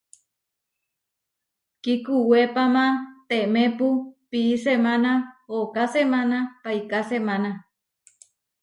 Kíkuwépamatemepu pií semána ooká semána paiká semána.